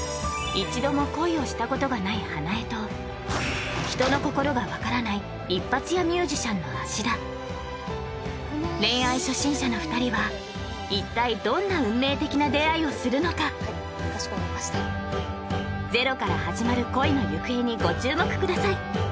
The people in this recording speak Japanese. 一度も恋をしたことがない花枝と人の心が分からない一発屋ミュージシャンの芦田恋愛初心者の２人は一体どんな運命的な出会いをするのかゼロから始まる恋の行方にご注目ください